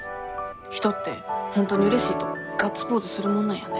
人って本当にうれしいとガッツポーズするもんなんやね。